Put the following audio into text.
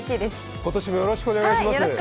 今年もよろしくお願いします。